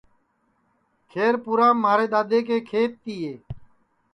کھیر پُورام مھارے دؔادؔے کے کھیت تِئے